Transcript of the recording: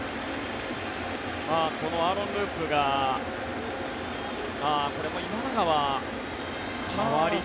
このアーロン・ループがこれは今永が。